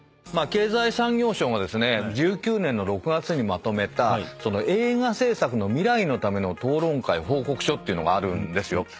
経済産業省が１９年の６月にまとめた映画制作の未来のための討論会報告書っていうのがあるんですよ。